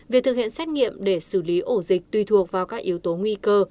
việc thực hiện xét nghiệm để xử lý ổ dịch tùy thuộc vào các yếu tố nguy cơ